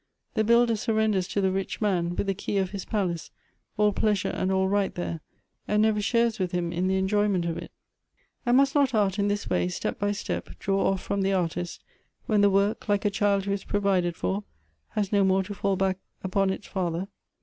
The builder surrenders to the rich man, with the key of his palace, all pleasure and all right there, and never shares with him in the enjoyment of it. And must not art in this way, step by step, draw off from the artist, when the work, like a child who is provided for, has no more to fall back upon its father?